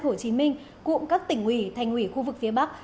hồ chí minh cụm các tỉnh ủy thành ủy khu vực phía bắc